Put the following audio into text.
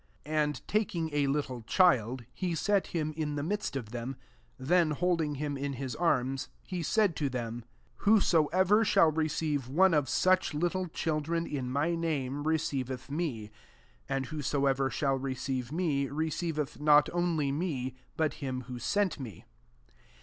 S6 And taking a little child, he set him in the midst of them : then holding him in his arms, he said to them, 37 " Whosoever shall re ceive one of such little children in my name, receiveth me : and whosoever shall receive me, receiveth not only me, but him who sent me.'